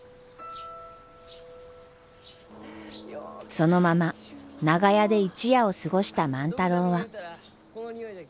そのまま長屋で一夜を過ごした万太郎は。